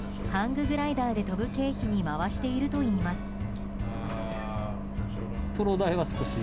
ハンググライダーで飛ぶ経費に回しているといいます。